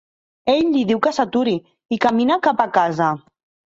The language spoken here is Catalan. Ell li diu que s'aturi i camina cap a casa.